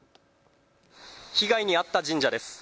被害に遭った神社です。